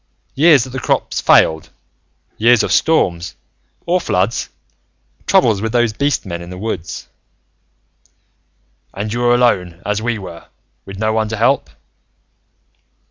"... years that the crops failed. Years of storms, or floods. Troubles with those beast men in the woods. "And you were alone, as we were, with no one to help.